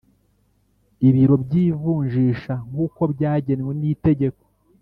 ibiro byivunjisha nkuko byagenw nitegeko